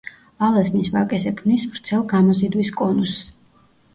ალაზნის ვაკეზე ქმნის ვრცელ გამოზიდვის კონუსს.